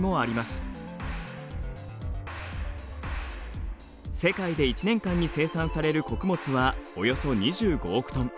世界で一年間に生産される穀物はおよそ２５億トン。